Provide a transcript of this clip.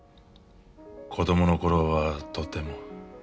子どもの頃はとても。